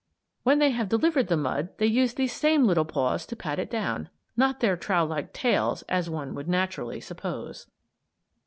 When they have delivered the mud they use these same little paws to pat it down not their trowel like tails, as one would naturally suppose.